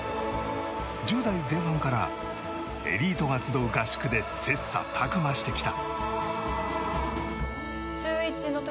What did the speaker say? １０代前半からエリートが集う合宿で切磋琢磨してきた。